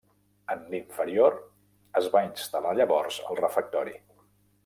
En l'inferior es va instal·lar llavors el refectori.